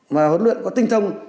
mà huấn luyện có tinh thông